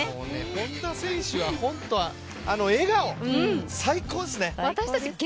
本多選手は本当、あの笑顔、最高ですね。